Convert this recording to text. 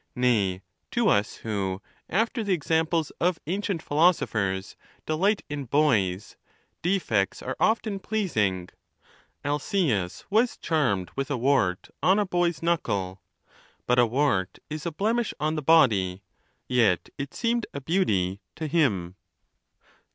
Nay, to us who, after the exam ples of ancient philosophers, delight in boys, defects are often pleasing. Alcseus was charmed with a wart on a boy's knuckle ; but a wart is a blemish on the body ; yet it seemed a beauty to him.